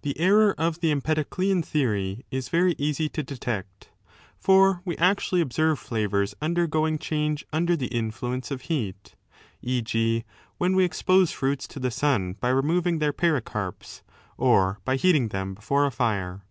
The error of the Empedoclean 4 theory is very easy to detect. For we actually observe flavours undergoing change under the influence of heat, e^. when we expose fruits to the sun by removing their pericarps or by heating them before a fire.